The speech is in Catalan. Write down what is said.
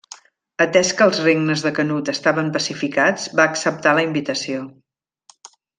Atès que els regnes de Canut estaven pacificats, va acceptar la invitació.